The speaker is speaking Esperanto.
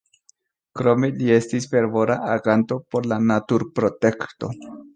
Krome li estis fervora aganto por la naturprotekto.